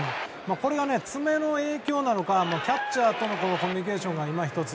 これが爪の影響なのかキャッチャーとのコミュニケーションがいまひとつ。